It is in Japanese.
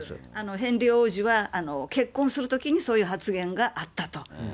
ヘンリー王子は結婚するときにそういう発言があったと。